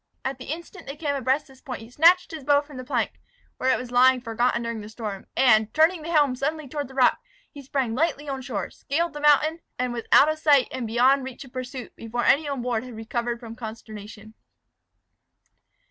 At the instant they came abreast this point he snatched his bow from the plank, where it was lying forgotten during the storm, and, turning the helm suddenly toward the rock, he sprang lightly on shore, scaled the mountain, and was out of sight and beyond reach of pursuit, before any on board had recovered from consternation.